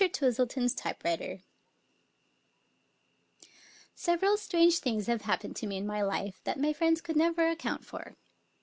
Twistleton's Typewriter Several strange things have happened to me in my life that my friends could never account for.